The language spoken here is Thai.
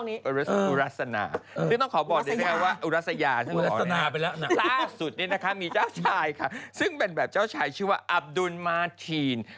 เธอต้องบอกถ้ามีเจ้าชายซึ่งแบบเจ้าชายชื่อว่าอัตโดนมาที่น